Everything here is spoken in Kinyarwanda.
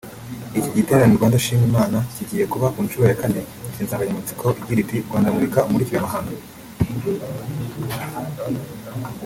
Iki giterane “Rwanda Shima Imana”kigiye kuba nshuro ya kane gifite insanganyamatsiko igira iti “Rwanda murika umurikire amahanga”